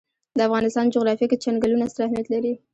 د افغانستان جغرافیه کې چنګلونه ستر اهمیت لري.